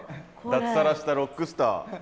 脱サラしたロックスター。